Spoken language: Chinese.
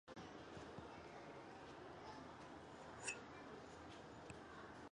红背山麻杆为大戟科山麻杆属下的一个变种。